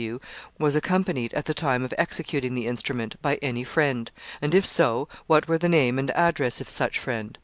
W.) was accompanied, at the time of executing the instrument, by any friend; and if so, what were the name and address of such friend.